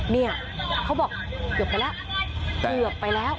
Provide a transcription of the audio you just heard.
เนี่ยเขาบอกเหลือไปแล้ว